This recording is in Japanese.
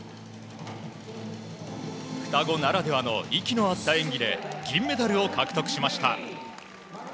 双子ならではの息の合った演技で銀メダルを獲得しました。